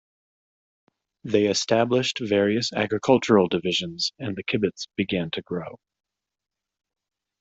They established various agricultural divisions and the kibbutz began to grow.